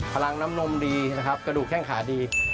พลังน้ำนมดีนะครับกระดูกแข้งขาดี